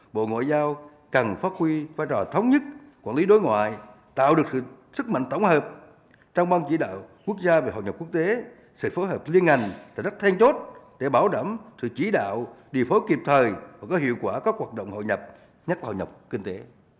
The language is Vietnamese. bộ ngoại giao cần phát huy vai trò thống nhất quản lý đối ngoại tạo được sức mạnh tổng hợp trong ban chỉ đạo quốc gia về hội nhập quốc tế sự phối hợp liên ngành là rất then chốt để bảo đảm sự chỉ đạo điều phối kịp thời và có hiệu quả các hoạt động hội nhập nhắc hội nhập kinh tế